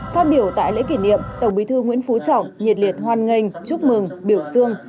phát biểu tại lễ kỷ niệm tổng bí thư nguyễn phú trọng nhiệt liệt hoan nghênh chúc mừng biểu dương